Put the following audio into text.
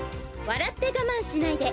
笑ってガマンしないで！